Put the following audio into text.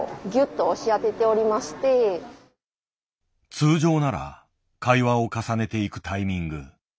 通常なら会話を重ねていくタイミング。